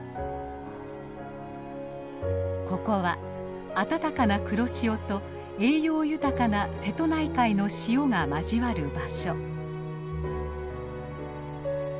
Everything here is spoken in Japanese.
ここはあたたかな黒潮と栄養豊かな瀬戸内海の潮が交わる場所。